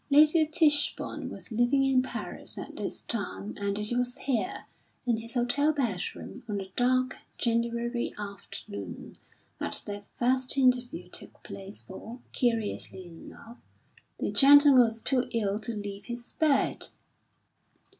Lady Tichborne was living in Paris at this time and it was here, in his hotel bedroom, on a dark January afternoon, that their first interview took place for, curiously enough, the gentleman was too ill to leave his bed!